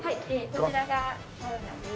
こちらがサウナです。